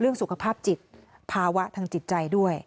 สุขภาพจิตภาวะทางจิตใจด้วย